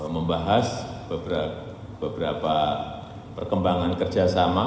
membahas beberapa perkembangan kerjasama